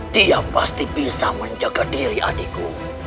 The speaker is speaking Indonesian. dia pasti bisa menjaga diri adikku